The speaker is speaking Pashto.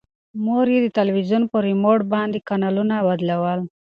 مور یې د تلویزون په ریموټ باندې کانالونه بدلول.